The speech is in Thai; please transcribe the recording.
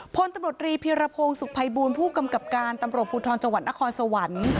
พลตำรวจรีพิรพงศ์สุขภัยบูลผู้กำกับการตำรวจภูทรจังหวัดนครสวรรค์